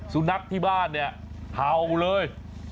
สุนัขที่บ้านเนี่ยเห่าเลย